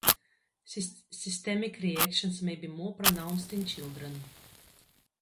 Systemic reactions may be more pronounced in children.